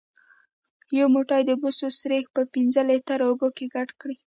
یو موټی د بوسو سريښ په پنځه لیتره اوبو کې ګډ کړئ.